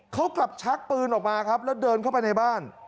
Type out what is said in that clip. เขากลับชักปืนออกมาครับแล้วเดินเข้าไปในบ้าน